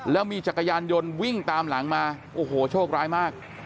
แล้วมีจักรยานยนต์วิ่งตามหลังมาโอ้โหโชคร้ายมาก